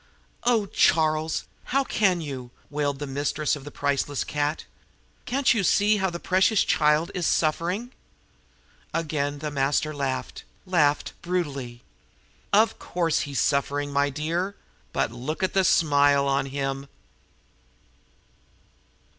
"Oh, Charles, how can you?" wailed the mistress of the priceless cat. "Can't you see how the precious child is suffering?" Again the master laughed laughed brutally. "Of course he's suffering, my dear but look at the smile on him!"